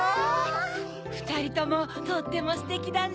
ふたりともとってもステキだね。